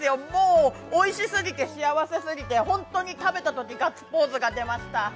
もう、おいしすぎて、幸せすぎて、本当に食べたときガッツポーズが出ました。